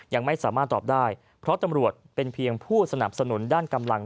ยังไม่สามารถตอบได้เพราะตำรวจเป็นเพียงผู้สนับสนุนด้านกำลัง